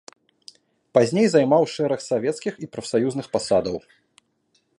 Пазней займаў шэраг савецкіх і прафсаюзных пасадаў.